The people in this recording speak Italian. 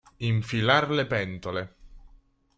Infilar le pentole.